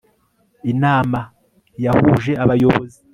inama yahuje abayobozi